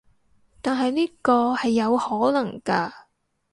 但係呢個係有可能㗎